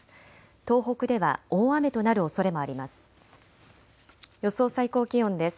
東北では大雨となるおそれもあります。